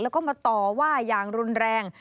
แล้วก็มาต่อว่าอย่างรุนแรง